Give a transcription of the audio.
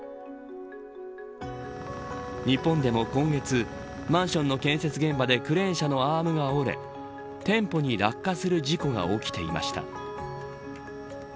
日本でも今月マンションの建設現場でクレーン車のアームが折れ店舗に落下する事故が起きていました。